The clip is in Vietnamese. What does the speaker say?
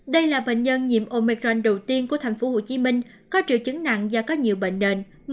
đây là bệnh nhân nhiễm omecran đầu tiên của tp hcm có triệu chứng nặng do có nhiều bệnh nền